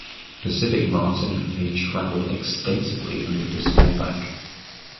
Pacific marten may travel extensively under the snowpack.